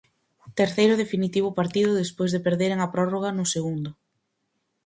Terceiro e definitivo partido despois de perderen a prórroga no segundo.